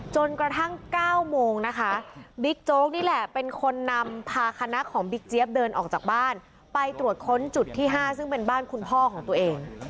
จนกระทั่ง๙โมงนะคะบิ๊กโจ๊กนี่แหละเป็นคนนำพาคณะของบิ๊กเจี๊ยบเดินออกจากบ้านไปตรวจค้นจุดที่๕ซึ่งเป็นบ้านคุณพ่อของตัวเอง